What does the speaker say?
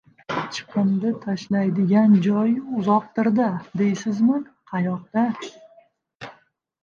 Chiqindi tashlaydigan joy uzoqdirda deysizmi, qayoqda?